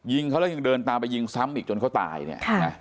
ยิงเขาแล้วยังเดินตามไปยิงซ้ำอีกจนเขาตายเนี่ย